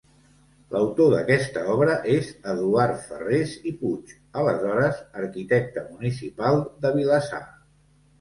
L'autor d'aquesta obra és Eduard Ferrés i Puig, aleshores arquitecte municipal de Vilassar.